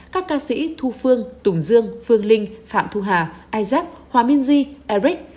các ca sĩ thu phương tùng dương phương linh phạm thu hà isaac hòa minh di eric